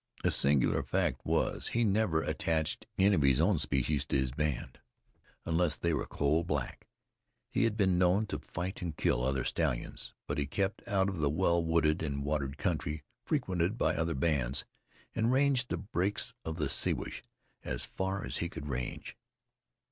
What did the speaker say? A singular fact was that he never attached any of his own species to his band, unless they were coal black. He had been known to fight and kill other stallions, but he kept out of the well wooded and watered country frequented by other bands, and ranged the brakes of the Siwash as far as he could range.